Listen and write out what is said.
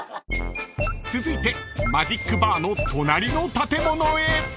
［続いてマジックバーの隣の建物へ］